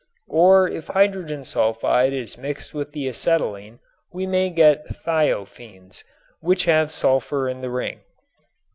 Or if hydrogen sulfide is mixed with the acetylene we may get thiophenes, which have sulfur in the ring.